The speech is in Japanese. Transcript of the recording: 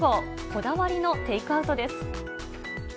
こだわりのテイクアウトです。